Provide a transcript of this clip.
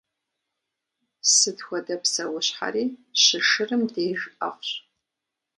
Сыт хуэдэ псэущхьэри щышырым деж ӏэфӏщ.